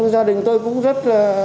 gia đình tôi cũng rất